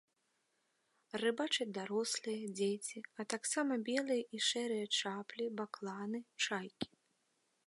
Рыбачаць дарослыя, дзеці, а таксама белыя і шэрыя чаплі, бакланы, чайкі.